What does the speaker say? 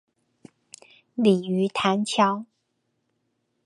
鯉魚潭橋